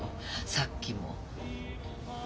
さっきも。